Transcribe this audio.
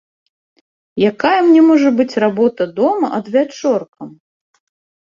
Якая мне можа быць работа дома адвячоркам?